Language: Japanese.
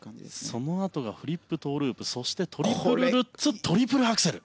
そのあとがフリップ、トウループそしてトリプルルッツトリプルアクセル。